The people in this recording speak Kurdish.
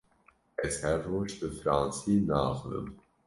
Ez her roj bi fransî naaxivim.